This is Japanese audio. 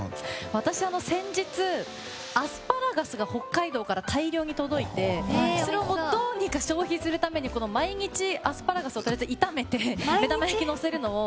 私は先日、アスパラガスが北海道から大量に届いてそれをどうにか消費するために毎日、アスパラガスをとりあえず炒めて目玉焼きにのせるのを。